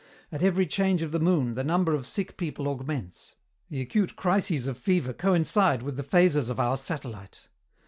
At every change of the moon the number of sick people augments. The acute crises of fever coincide with the phases of our satellite.